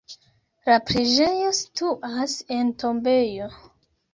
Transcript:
La preĝejo situas en tombejo.